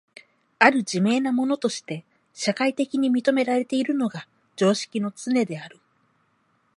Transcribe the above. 或る自明なものとして社会的に認められているのが常識のつねである。